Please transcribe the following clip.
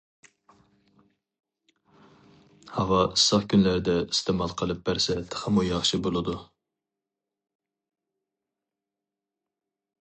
ھاۋا ئىسسىق كۈنلەردە ئىستېمال قىلىپ بەرسە تېخىمۇ ياخشى بولىدۇ.